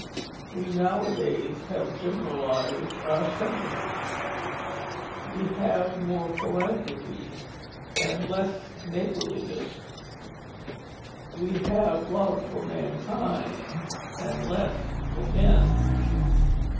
We nowadays have generalized our sentiments; we have more philanthropy and less neighborliness; we have more love for mankind and less for men.